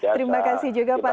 terima kasih juga pak